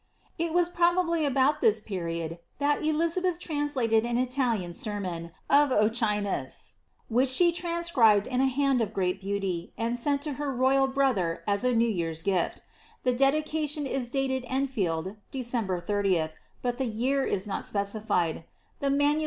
^'' It was probably about this period that Elizabeth translated an Italian ■enDon of Occhines, which she transcribed in a hand of great beauty, and sent to her royal brother, as a new year's gift The dedication is dated Enfield, December 30, but the year is not specified ; the MS.